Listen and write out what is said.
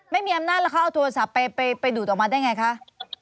ไม่มีอำนาจแล้วเขาเอาโทรศัพท์ไปดูดออกมาได้ไงคะ